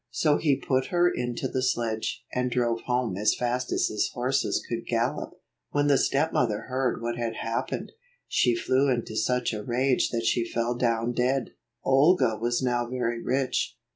So he put her into the sledge, and drove home as fast as his horses could gallop. When the stepmother heard what had hap pened, she flew into such a rage that she fell down dead. Olga was now very rich.